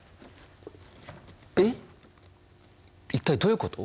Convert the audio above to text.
えっ一体どういうこと？